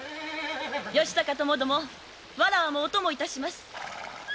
義高ともどもわらわもお供いたします。